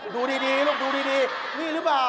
ดูดีลูกดูดีนี่หรือเปล่า